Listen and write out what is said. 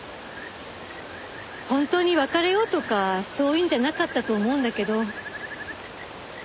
本当に別れようとかそういうんじゃなかったと思うんだけど。